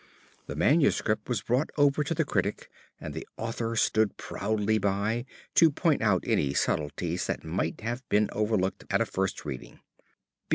The manuscript was brought over to the critic, and the author stood proudly by to point out subtleties that might have been overlooked at a first reading.